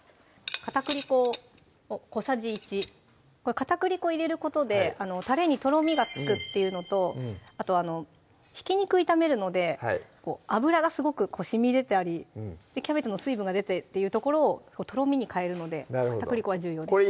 片栗粉を小さじ１片栗粉入れることでタレにとろみがつくっていうのとあとひき肉炒めるので油がすごくしみ出たりキャベツの水分が出てっていうところをとろみにかえるので片栗粉は重要です